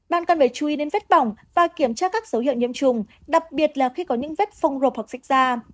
bạn cần phải chú ý đến vết bỏng và kiểm tra các dấu hiệu nhiễm trùng đặc biệt là khi có những vết phông rộp hoặc xích da